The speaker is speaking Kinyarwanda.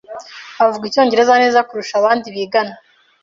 Avuga Icyongereza neza kurusha abandi bigana.